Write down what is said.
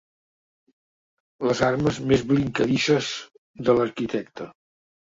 Les armes més vincladisses de l'arquitecte.